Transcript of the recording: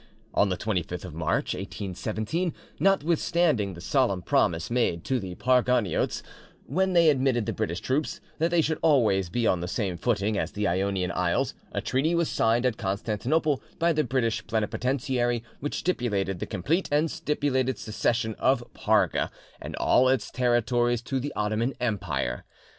On the 25th of March, 1817, notwithstanding the solemn promise made to the Parganiotes, when they admitted the British troops, that they should always be on the same footing as the Ionian Isles, a treaty was signed at Constantinople by the British Plenipotentiary, which stipulated the complete and stipulated cession of Parga and all its territory to, the Ottoman Empire.